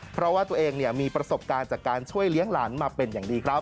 เพราะว่าตัวเองมีประสบการณ์จากการช่วยเลี้ยงหลานมาเป็นอย่างดีครับ